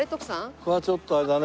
これはちょっとあれだね。